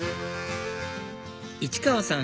市川さん